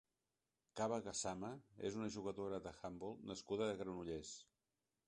Kaba Gassama és una jugadora d'handbol nascuda a Granollers.